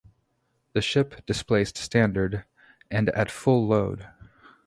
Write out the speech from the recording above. The ship displaced standard, and at full load.